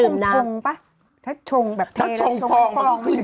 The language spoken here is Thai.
มะนาว